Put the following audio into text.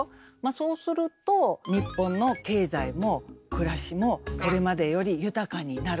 そうすると日本の経済も暮らしもこれまでより豊かになる。